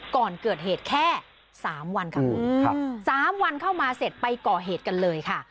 ก่อนเกิดเหตุแค่๓วันค่ะคุณ๓วันเข้ามาเสร็จไปก่อเหตุกันเลยค่ะ